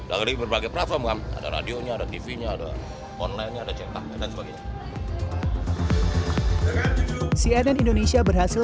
dari berbagai program ada radionya ada tvnya ada online dan sebagainya cnn indonesia berhasil